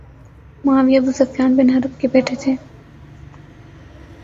معاویہ Abu Sufyan bin Harb کے بیٹے تھے